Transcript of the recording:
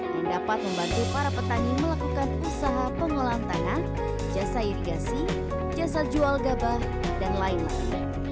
yang dapat membantu para petani melakukan usaha pengolahan tanah jasa irigasi jasa jual gabah dan lain lain